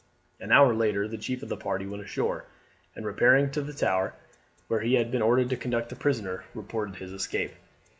An hour later the chief of the party went ashore, and repairing to the Tower, where he had been ordered to conduct the prisoner, reported his escape.